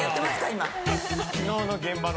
今。